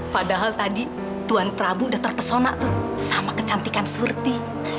padahal tadi tuhan prabu udah terpesona tuh sama kecantikan surti